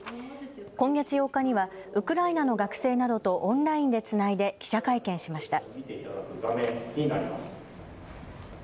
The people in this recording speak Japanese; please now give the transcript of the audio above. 今月８日にはウクライナの学生などとオンラインでつないで記者会見しました。